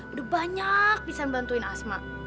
udah banyak bisa membantuin asma